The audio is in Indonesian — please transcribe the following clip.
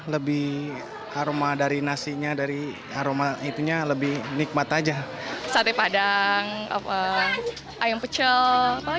lebih aroma dari nasinya dari aroma itunya lebih nikmat aja sate padang apa ayam pecel apa